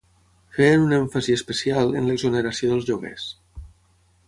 Feien un èmfasi especial en l’exoneració dels lloguers.